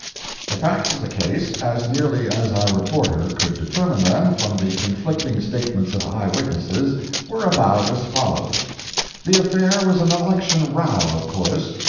The facts of the case, as nearly as our reporter could determine them from the conflicting statements of eye witnesses, were about as follows: The affair was an election row, of course.